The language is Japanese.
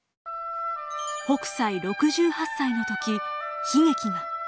北斎６８歳の時悲劇が。